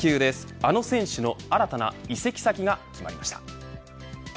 あの選手の新たな移籍先が決まりました。